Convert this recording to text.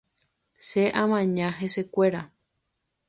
Che amaña hesekuéra.